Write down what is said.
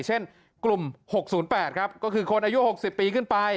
เช่นกลุ่ม๖๐๘ครับก็คือคนอายุ๖๐ปีขึ้นไป